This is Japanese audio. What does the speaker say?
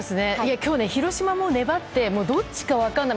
今日、広島も粘ってどっちか分からない。